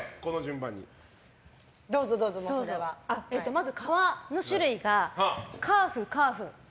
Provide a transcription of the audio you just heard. まず、皮の種類がカーフ、カーフ。